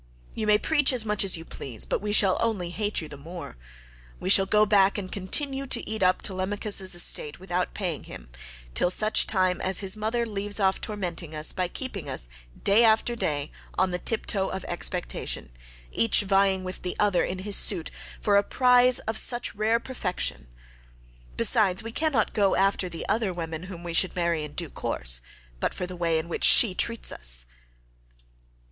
You may preach as much as you please, but we shall only hate you the more. We shall go back and continue to eat up Telemachus's estate without paying him, till such time as his mother leaves off tormenting us by keeping us day after day on the tiptoe of expectation, each vying with the other in his suit for a prize of such rare perfection. Besides we cannot go after the other women whom we should marry in due course, but for the way in which she treats us."